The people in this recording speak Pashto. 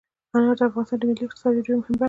انار د افغانستان د ملي اقتصاد یوه ډېره مهمه برخه ده.